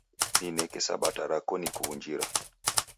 Nineke sabata rako nikuw'unjira.